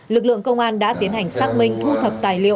lực lượng công an đã tiến hành xác minh thu thập tài liệu